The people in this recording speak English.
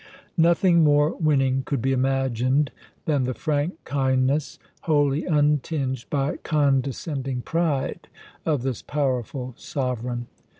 Nothing more winning could be imagined than the frank kindness, wholly untinged by condescending pride, of this powerful sovereign.